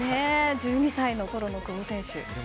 １２歳のころの久保選手。